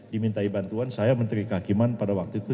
dimintai bantuan saya menteri kehakiman pada waktu itu